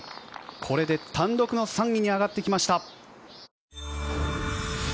これで単独の３位に上がってきました。